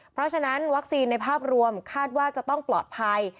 เพราะฉะนั้นวัคซีนในภาพรวมคาดว่าจะต้องปลอดภัย